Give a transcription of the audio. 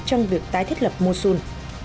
trong việc tái thiết lập mosul